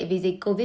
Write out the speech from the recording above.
vì diễn biến